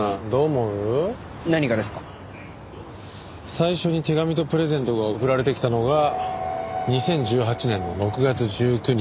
最初に手紙とプレゼントが送られてきたのが２０１８年の６月１９日。